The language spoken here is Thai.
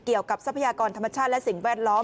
ทรัพยากรธรรมชาติและสิ่งแวดล้อม